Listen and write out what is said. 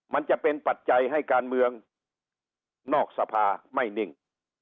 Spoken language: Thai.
มันจะเป็นปัจจัยให้การเมืองนอกสภาไม่นิ่ง